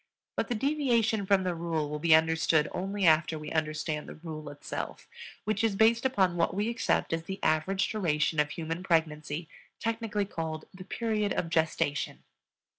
But the deviation from the rule will be understood only after we understand the rule itself, which is based upon what we accept as the average duration of human pregnancy, technically called the period of gestation.